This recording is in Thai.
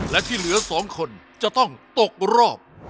และที่เหลือ๒คนจะต้องตกรอบ